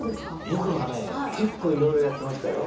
僕はね結構いろいろやってましたよ。